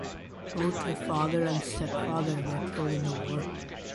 Both her father and stepfather were killed in the war.